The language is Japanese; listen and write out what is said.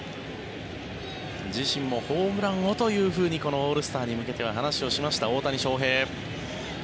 自身もホームランをというふうにこのオールスターに向けて話しました大谷翔平。